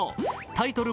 タイトル